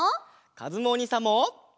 かずむおにいさんも！